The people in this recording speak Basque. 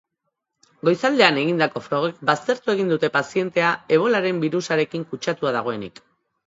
Goizaldean egindako frogek baztertu egin dute pazientea ebolaren birusakin kutsatuta dagoenik.